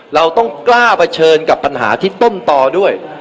เราต้องกล้าเผชิญกับปัญหาที่ต้นต่อด้วย